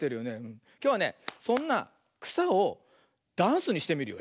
きょうはねそんなくさをダンスにしてみるよ。